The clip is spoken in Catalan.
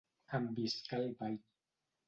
Enviscar el ball.